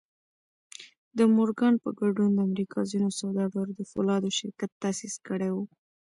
د مورګان په ګډون د امريکا ځينو سوداګرو د پولادو شرکت تاسيس کړی و.